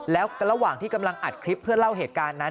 แล้วระหว่างที่กำลังอัดคลิปเพื่อเล่าเหตุการณ์นั้น